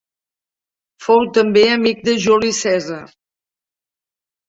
Fou també amic de Juli Cèsar.